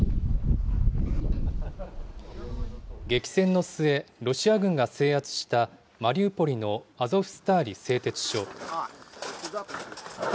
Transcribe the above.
激戦の末、ロシア軍が制圧したマリウポリのアゾフスターリ製鉄所。